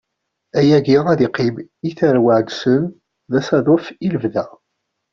Ayagi ad d-iqqim i tarwa-nsen d asaḍuf, i lebda.